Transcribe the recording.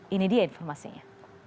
ini dia informasinya